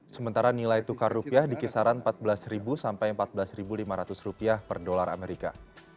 sementara nilai tukar rupiah di kisaran empat belas sampai empat belas lima ratus rupiah per dolar amerika